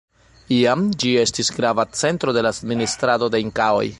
Iam ĝi estis grava centro de la administrado de Inkaoj.